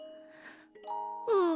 うん。